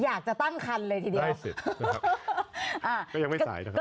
อยากจะตั้งคันเลยทีเดียว